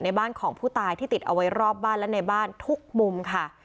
บ้านของผู้ตายที่ติดเอาไว้รอบบ้านและในบ้านทุกมุมค่ะ